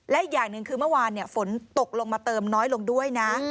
และอีกอย่างหนึ่งคือเมื่อวานฝนตกลงมาเติมน้อยลงด้วยนะ